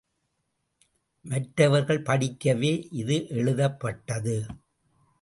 மற்றவர்கள் படிக்கவே இது எழுதப்பட்டது.